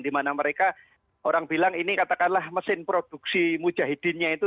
dimana mereka orang bilang ini katakanlah mesin produksi mujahidinnya itu